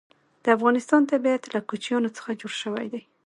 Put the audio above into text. د افغانستان طبیعت له کوچیانو څخه جوړ شوی دی.